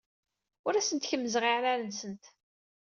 Ur asent-kemmzeɣ iɛrar-nsent.